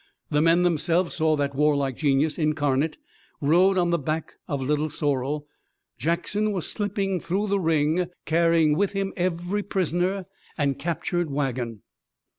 The men themselves saw that warlike genius incarnate rode on the back of Little Sorrel. Jackson was slipping through the ring, carrying with him every prisoner and captured wagon.